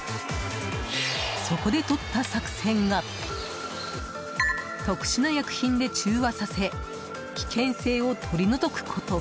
そこでとった作戦が特殊な薬品で中和させ危険性を取り除くこと。